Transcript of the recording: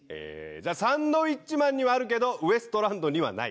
サンドウィッチマンにはあるけどウエストランドにはない。